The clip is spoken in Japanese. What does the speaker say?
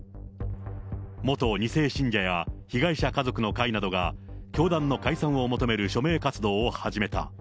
元２世信者や被害者家族の会などが、教団の解散を求める署名活動を始めた。